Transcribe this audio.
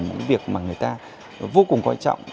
cái việc mà người ta vô cùng quan trọng